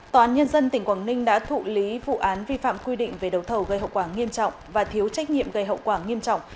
tòa án nhân dân tỉnh quảng ninh đã thụ lý vụ án vi phạm quy định về đầu thầu gây hậu quả nghiêm trọng và thiếu trách nhiệm gây hậu quả nghiêm trọng